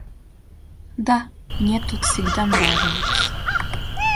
Да, мне тут всегда нравилось.